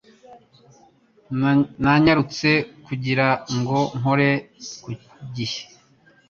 Nanyarutse kugira ngo nkore ku gihe